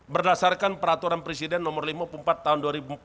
berdasarkan peraturan presiden nomor lima puluh empat tahun dua ribu empat belas